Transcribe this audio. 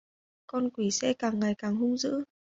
Con quỷ sẽ càng ngày càng hung dữ